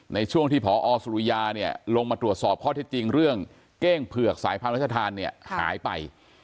ในช่วงที่พอสุริยาเนี่ยลงมาตรวจสอบข้อเท็จจริงเรื่องเก้งเผือกสายพันธทานเนี่ยหายไป